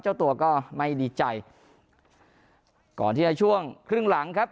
เจ้าตัวก็ไม่ดีใจก่อนที่จะช่วงครึ่งหลังครับ